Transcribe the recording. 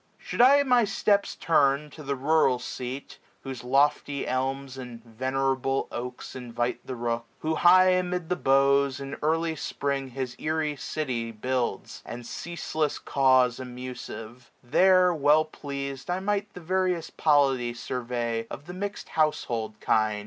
Should I my steps turn to the rural seat. Whose lofty elms, and venerable oaks. Invite the rook ; who high amid the boughs, 765 In early Spring, his airy city builds. And ceaseless caws amusive ; there, well pleas'd, I might the various polity survey Of the mix'd houshold kind.